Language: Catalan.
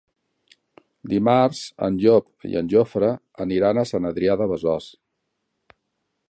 Dimarts en Llop i en Jofre aniran a Sant Adrià de Besòs.